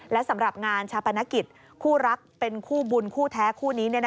และสำหรับงานชาปนกิจคู่รักเป็นคู่บุญคู่แท้คู่นี้